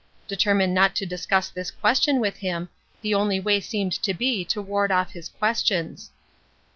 Determined not to discuss this question with him, the only way seemed to be to ward off his questions.